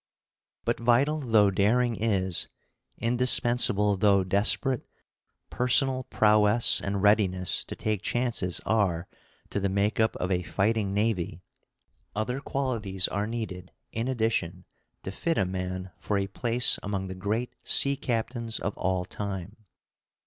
But vital though daring is, indispensable though desperate personal prowess and readiness to take chances are to the make up of a fighting navy, other qualities are needed in addition to fit a man for a place among the great sea captains of all time.